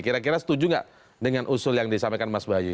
kira kira setuju nggak dengan usul yang disampaikan mas bayu